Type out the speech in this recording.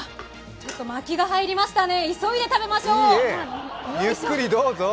ちょっとまきが入りましたね、急いで食べましょう。